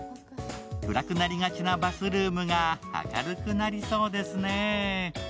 暗くなりがちなバスルームが明るくなりそうですね。